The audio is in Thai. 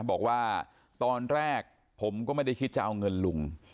บอกว่าตอนแรกผมก็ไม่ได้คิดจะเอาเงินลุง